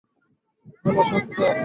বল, সত্য?